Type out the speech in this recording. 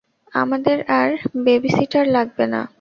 আমাদের আর বেবিসিটার লাগবে না।